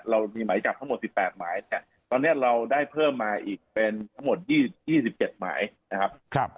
เรามีหมายจับทั้งหมด๑๘หมายแต่ตอนนี้เราได้เพิ่มมาอีกเป็นทั้งหมด๒๗หมายนะครับ